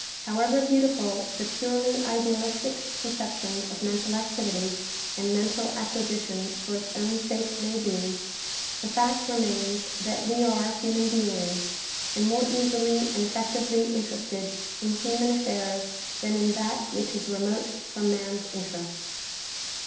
However beautiful the purely idealistic conception of mental activity and mental acquisition for its own sake may be, the fact remains that we are human beings and more easily and efiectively interested in human affairs than in that which is remote from man's interests.